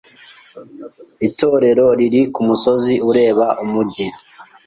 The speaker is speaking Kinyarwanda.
Itorero riri kumusozi ureba umujyi.